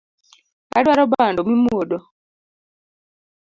Adwaro bando mimwodo